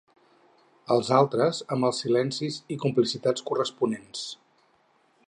Els altres, amb els silencis i complicitats corresponents.